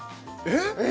えっ！？